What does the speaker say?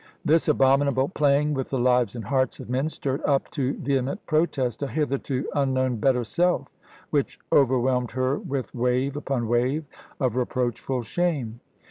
This abominable playing with the lives and hearts of men stirred up to vehement protest a hitherto unknown better self which overwhelmed her with wave upon wave of reproachful shame.